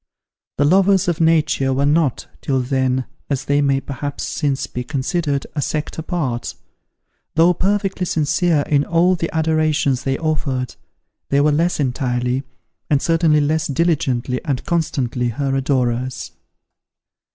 The lovers of Nature were not, till then, as they may perhaps since be considered, a sect apart. Though perfectly sincere in all the adorations they offered, they were less entirely, and certainly less diligently and constantly, her adorers.